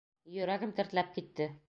Йөрәгем тертләп китте.